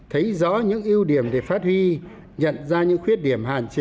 thấy rõ những ưu điểm để phát huy nhận ra những khuyết điểm hạn chế để khắc phục